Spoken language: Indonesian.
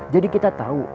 jadi kita tahu